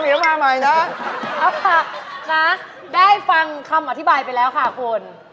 เอาค่ะนะได้ฟังคำอธิบายไปแล้วค่ะคุณ